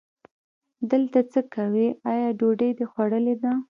دلته څه کوې، آیا ډوډۍ دې خوړلې ده؟